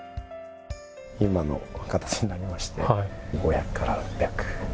今の形になりまして、５００から６００。